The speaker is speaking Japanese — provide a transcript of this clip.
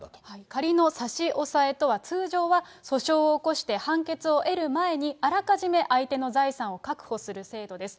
仮の差し押さえとは、通常は訴訟を起こして、判決を得る前に、あらかじめ相手の財産を確保する制度です。